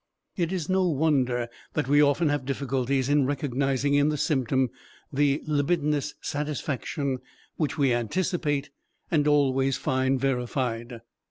It is no wonder that we often have difficulties in recognizing in the symptom the libidinous satisfaction which we anticipate and always find verified.